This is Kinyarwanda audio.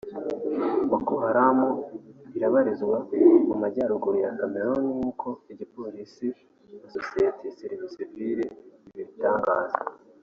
Boko Haram ubu irabarizwa no mu majyaruguru ya Cameroun nk’uko igipolisi na sosiyete sivile bibitangaza